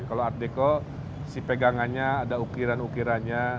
kalau art dekor si pegangannya ada ukiran ukirannya